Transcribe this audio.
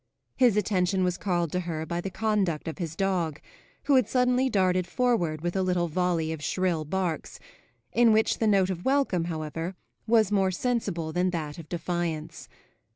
His attention was called to her by the conduct of his dog, who had suddenly darted forward with a little volley of shrill barks, in which the note of welcome, however, was more sensible than that of defiance.